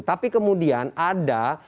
tapi kemudian ada